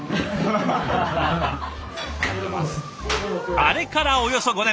あれからおよそ５年。